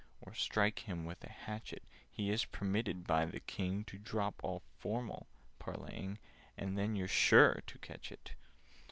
Or strike him with a hatchet, He is permitted by the King To drop all formal parleying— And then you're sure to catch it!